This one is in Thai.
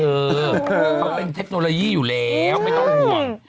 เออเขาเป็นเทคโนโลยีอยู่แล้วไม่ต้องห่วง